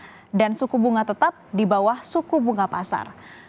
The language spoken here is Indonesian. harga dan suku bunga tetap di bawah suku bunga pasar